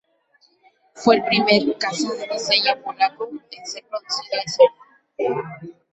Fue el primer caza de diseño polaco en ser producido en serie.